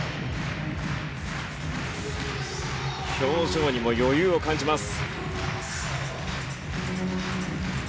表情にも余裕を感じます。